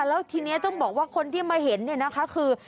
แล้วทีนี้ต้องบอกว่าคนที่มาเห็นเนี่ยนะคะคือ